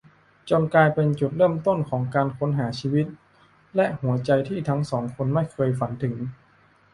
จนกลายเป็นจุดเริ่มต้นของการค้นหาชีวิตและหัวใจที่ทั้งสองคนไม่เคยฝันถึง